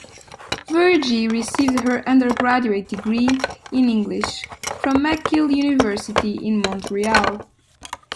Verjee received her undergraduate degree in English from McGill University in Montreal.